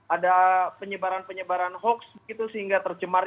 ada penyebaran penyebaran hoax begitu sehingga tercemar